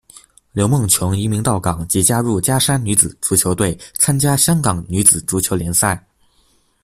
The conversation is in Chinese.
刘梦琼移民到港即加入加山女子足球队参加香港女子足球联赛。